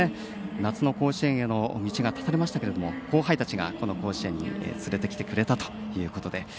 夏の甲子園への道が断たれましたが後輩たちがこの甲子園に連れてきてくれたということで。